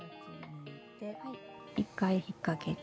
１回引っ掛けて。